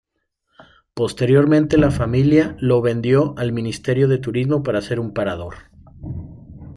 Posteriormente, la familia lo vendió al Ministerio de Turismo para hacer un parador.